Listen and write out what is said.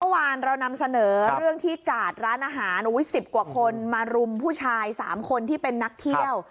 เมื่อวานเรานำเสนอเรื่องที่กาดร้านอาหาร๑๐กว่าคนมารุมผู้ชาย๓คนที่เป็นนักเที่ยว